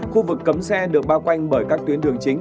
khu vực cấm xe được bao quanh bởi các tuyến đường chính